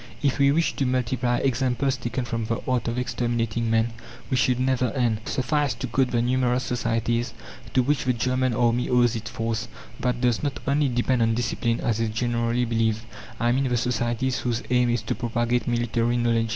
If we wished to multiply examples taken from the art of exterminating men we should never end. Suffice to quote the numerous societies to which the German army owes its force, that does not only depend on discipline, as is generally believed. I mean the societies whose aim is to propagate military knowledge.